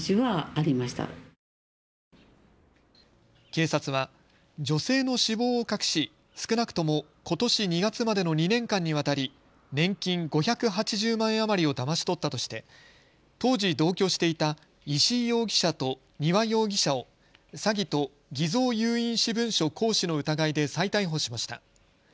警察は女性の死亡を隠し少なくとも、ことし２月までの２年間にわたり年金５８０万円余りをだまし取ったとして当時、同居していた石井容疑者と丹羽容疑者を詐欺と偽造有印私文書行使の疑いで再逮捕しました。